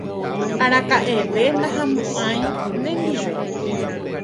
araka'eve ndahamo'ãi nendive